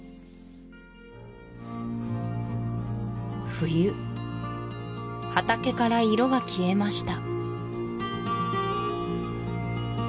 冬畑から色が消えました